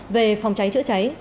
về phòng cháy chữa cháy